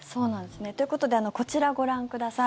ということでこちらをご覧ください。